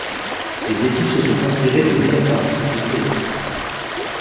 Les équipes se sont inspirées des meilleures pratiques en sécurité.